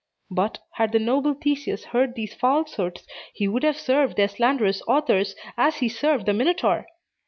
But, had the noble Theseus heard these falsehoods, he would have served their slanderous authors as he served the Minotaur!